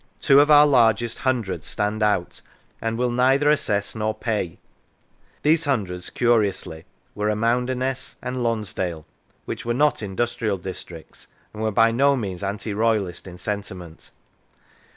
" Two of our largest hundreds stand out, and will neither assess nor pay." These hundreds, curiously, were Amounderness and Lonsdale, which were not industrial districts, and were by no means anti royalist in sentiment.